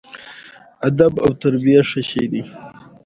پرونی انسان چې ډېر وزگار وختونه او مصروفيتونه يې لرل